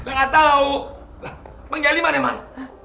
enggak tau bang jali mana emang